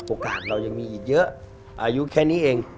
โอกาสเรายังมีเยอะอายุแค่นี้เอง